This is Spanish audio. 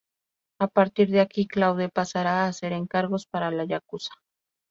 A partir de aquí Claude pasará a hacer encargos para la Yakuza.